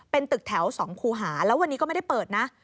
เป็นตึกแถว๒คูหาแล้ววันนี้ก็ไม่ได้เปิดนะ